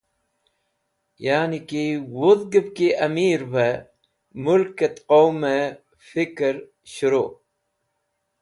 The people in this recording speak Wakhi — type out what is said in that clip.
Yaniki wudhgẽv ki amirve mulkẽt qowmẽ fikẽr shẽru.